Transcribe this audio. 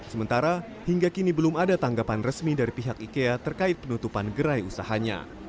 sementara hingga kini belum ada tanggapan resmi dari pihak ikea terkait penutupan gerai usahanya